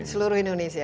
seluruh indonesia ya